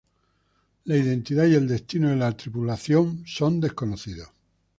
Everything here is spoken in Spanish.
La identidad y el destino de la tripulación son desconocidos.